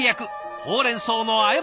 ほうれんそうの和え物。